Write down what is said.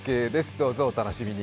どうぞお楽しみに。